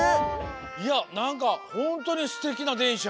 いやなんかホントにすてきなでんしゃ。